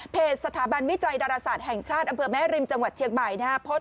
สถาบันวิจัยดาราศาสตร์แห่งชาติอำเภอแม่ริมจังหวัดเชียงใหม่นะครับ